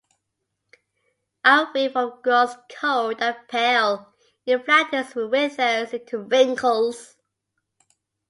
Our real form grows cold and pale. It flattens, it withers into wrinkles.